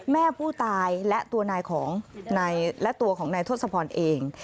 แม่ผู้ตายและตัวนายและตัวของนายทศพรเอง